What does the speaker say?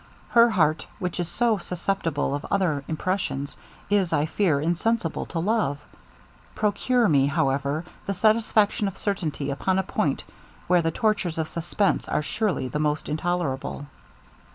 Her heart, which is so susceptible of other impressions, is, I fear, insensible to love. Procure me, however, the satisfaction of certainty upon a point where the tortures of suspence are surely the most intolerable.'